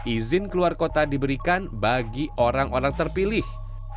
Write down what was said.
izin keluar kota diberikan bagi orang orang terpilih